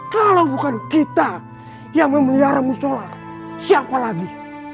kalau bukan kita yang memelihara musola siapa lagi